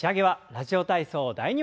「ラジオ体操第２」。